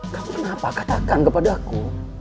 kamu kenapa katakan kepada aku